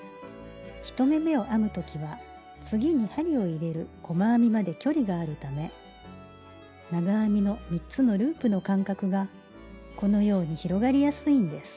１目めを編む時は次に針に入れる細編みまで距離があるため長編みの３つのループの間隔がこのように広がりやすいんです。